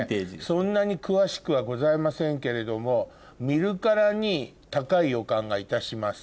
そんなに詳しくはございませんけれども見るからに高い予感がいたします。